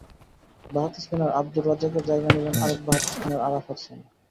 বাঁহাতি স্পিনার আবদুর রাজ্জাকের জায়গা নিলেন আরেক বাঁহাতি স্পিনার আরাফাত সানি।